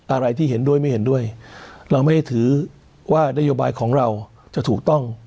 อะไรที่เห็นด้วยไม่เห็นด้วยเราไม่ได้ถือว่านโยบายของเราจะถูกต้อง